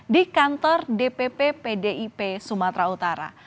di kantor dpp pdip sumatera utara